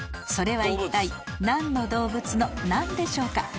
それは一体何の動物の何でしょうか？